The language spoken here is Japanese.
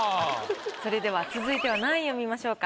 それでは続いては何位を見ましょうか？